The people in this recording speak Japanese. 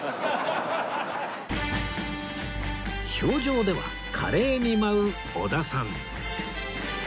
氷上では華麗に舞う織田さん